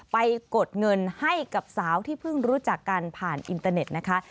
กดเงินให้กับสาวที่เพิ่งรู้จักกันผ่านอินเตอร์เน็ตนะคะ